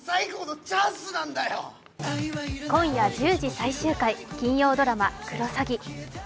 今夜１０時最終回、金曜ドラマ「クロサギ」。